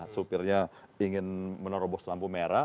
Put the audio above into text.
supirnya ingin menerobos lampu merah